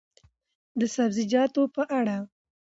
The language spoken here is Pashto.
د سبزیجاتو په اړه: